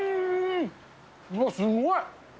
うわ、すごい！